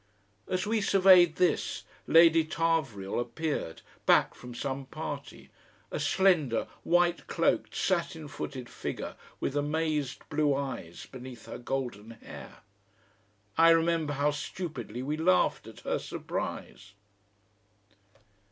As we surveyed this, Lady Tarvrille appeared, back from some party, a slender, white cloaked, satin footed figure with amazed blue eyes beneath her golden hair. I remember how stupidly we laughed at her surprise.